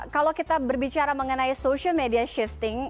kalau kita berbicara mengenai social media shifting